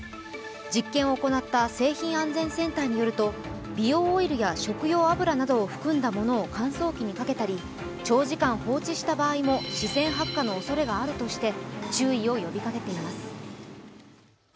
実験を行った製品安全センターによると美容オイルや食用油などを含んだものを乾燥機にかけたり長時間放置した場合も自然発火のおそれがあるとして注意を呼びかけています。